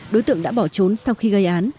đối tượng đã bỏ trốn sau khi gây án